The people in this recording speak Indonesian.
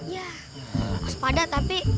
ya waspada tapi